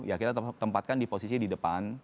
ya kita tempatkan di posisi di depan